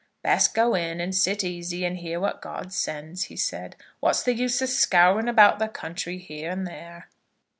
"Best go in and sit easy, and hear what God sends," he said. "What's the use of scouring about the country here and there?"